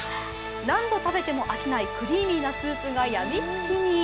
何度食べても飽きないクリーミーなスープがやみつきに。